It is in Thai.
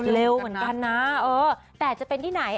เร็วเหมือนกันนะเออแต่จะเป็นที่ไหน